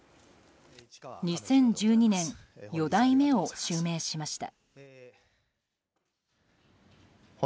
２０１２年四代目を襲名しました。